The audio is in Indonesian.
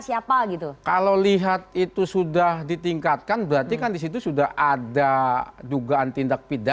siapa gitu kalau lihat itu sudah ditingkatkan berarti kan disitu sudah ada dugaan tindak pidana